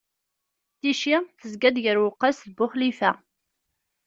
Ticci tezga-d gar Uwqas d Buxlifa.